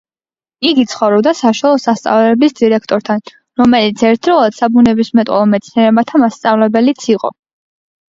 იგი ცხოვრობდა საშუალო სასწავლებლის დირექტორთან, რომელიც ერთდროულად საბუნებისმეტყველო მეცნიერებათა მასწავლებელიც იყო.